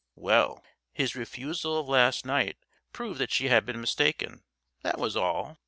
Well! his refusal of last night proved that she had been mistaken that was all.